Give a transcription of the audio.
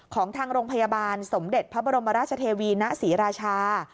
ของทางโรงพยาบาลสมเด็จพระบรมราชเทวีณศรีราชา